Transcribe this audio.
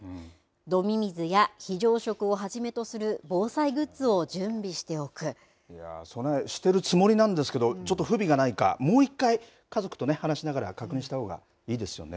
飲み水や非常食をはじめとする備えしているつもりなんですけどちょっと不備がないかもう１回、家族と話しながら確認したほうがいいですよね。